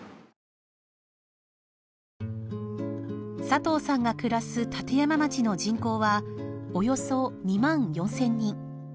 佐藤さんが暮らす立山町の人口はおよそ２万４０００人。